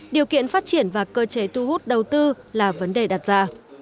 điều kiện phát triển và cơ chế tu hút đầu tư là vấn đề đặt ra